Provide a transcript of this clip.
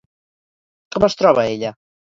Com es troba ella?